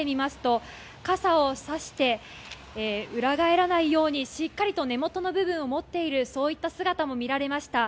通勤している方、歩いてる方を見てみますと傘をさして裏返らないように、しっかりと根元の部分を持っている、そういった姿も見られました。